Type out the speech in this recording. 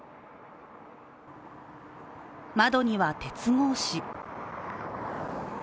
窓には鉄格子。